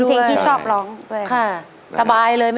อินโทรยกที่สองของคุณซิมมาเลยครับ